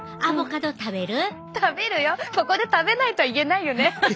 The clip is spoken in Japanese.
ここで食べないとは言えないよね。